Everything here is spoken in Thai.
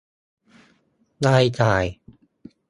รายจ่าย